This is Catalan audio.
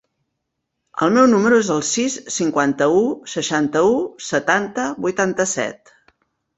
El meu número es el sis, cinquanta-u, seixanta-u, setanta, vuitanta-set.